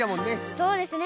そうですね。